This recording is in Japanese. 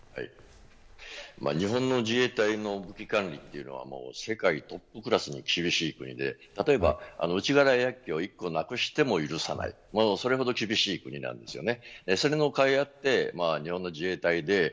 日本の自衛隊の危機管理というのは世界トップクラスに厳しい国で例えば薬きょう１個なくしても許さない国なんですよね。